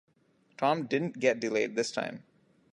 Tom didn't get delayed this time.